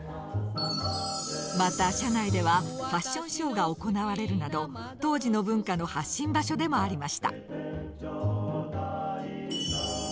また車内ではファッションショーが行われるなど当時の文化の発信場所でもありました。